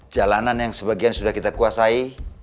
jalanan yang sebagian sudah kita kuasai